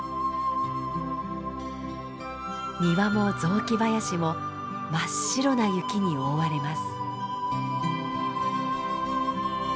庭も雑木林も真っ白な雪に覆われます。